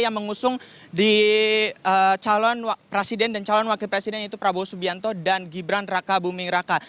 yang mengusung di calon presiden dan calon wakil presiden yaitu prabowo subianto dan gibran raka buming raka